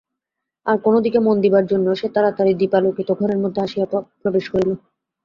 আর-কোনো দিকে মন দিবার জন্য সে তাড়াতাড়ি দীপালোকিত ঘরের মধ্যে আসিয়া প্রবেশ করিল।